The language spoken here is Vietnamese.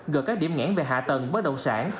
gợi các điểm ngãn về hạ tầng bớt đồng sản